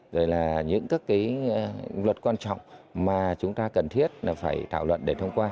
rồi là những luật quan trọng mà chúng ta cần thiết phải thảo luận để thông qua